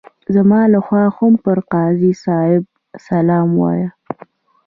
زما لخوا هم پر قاضي صاحب سلام ووایه.